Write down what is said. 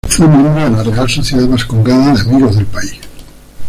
Fue miembro de la Real Sociedad Bascongada de Amigos del País.